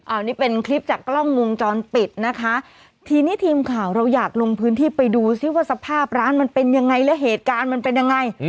อันนี้เป็นคลิปจากกล้องวงจรปิดนะคะทีนี้ทีมข่าวเราอยากลงพื้นที่ไปดูซิว่าสภาพร้านมันเป็นยังไงแล้วเหตุการณ์มันเป็นยังไง